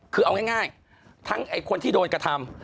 คือเอาง่ายทั้งคนที่โดนกระทำ